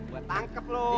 buat tangkep loh